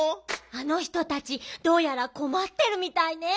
「あの人たちどうやらこまってるみたいね」。